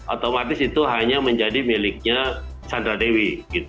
otomatis itu hanya menjadi miliknya sandra dewi